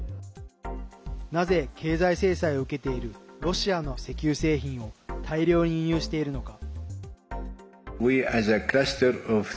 なぜ、経済制裁を受けているロシアの石油製品を大量に輸入しているのか。